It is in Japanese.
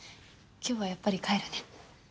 今日はやっぱり帰るね。